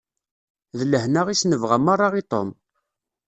D lehna i s-nebɣa merra i Tom.